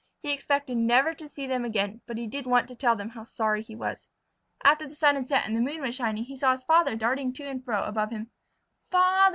He expected never to see them again, but he did want to tell them how sorry he was. After the sun had set and the moon was shining, he saw his father darting to and fro above him. "Father!"